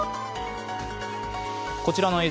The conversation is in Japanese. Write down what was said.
こちらの映像。